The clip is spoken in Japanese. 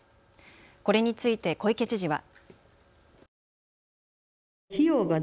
これについて小池知事は。